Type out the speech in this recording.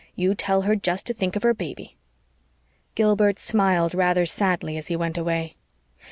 You tell her just to think of her baby." Gilbert smiled rather sadly as he went away.